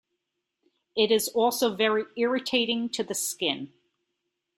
It is also very irritating to the skin.